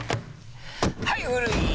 はい古い！